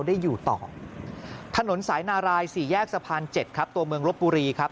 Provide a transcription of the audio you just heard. ได้อยู่ต่อถนนสายนารายสี่แยกสะพานเจ็ดครับตัวเมืองลบบุรีครับ